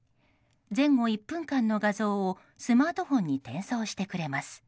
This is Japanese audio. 前後１分間の画像をスマートフォンに転送してくれます。